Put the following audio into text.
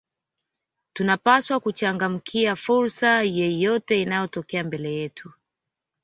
tunapaswa kuchangamkia fursa yeyote inayotokea mbele yetu